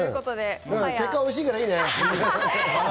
結果、おいしいからいいね。